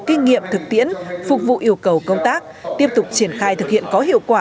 kinh nghiệm thực tiễn phục vụ yêu cầu công tác tiếp tục triển khai thực hiện có hiệu quả